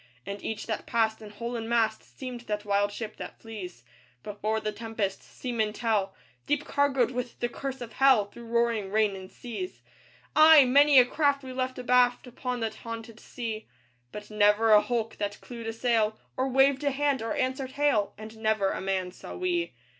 And each that passed, in hull and mast, Seemed that wild ship that flees Before the tempest seamen tell Deep cargoed with the curse of Hell, Through roaring rain and seas. Ay! many a craft we left abaft Upon that haunted sea; But never a hulk that clewed a sail, Or waved a hand, or answered hail, And never a man saw we.